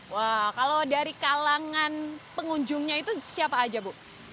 wah kalau dari kalangan pengunjungnya itu siapa aja bu